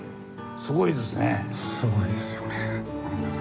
すごいですよね。